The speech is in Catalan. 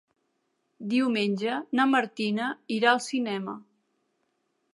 Diumenge na Martina irà al cinema.